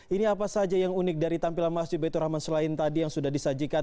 ini apa saja yang unik dari tampilan masjid baitur rahman selain tadi yang sudah disajikan